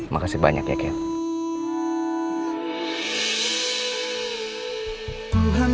makasih banyak ya ken